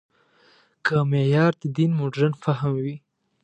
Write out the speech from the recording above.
که معیار د دین مډرن فهم وي.